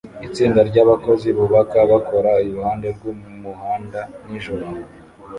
Itsinda ryabakozi bubaka bakora iruhande rwumuhanda nijoro